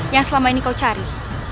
yang selama ini kau cari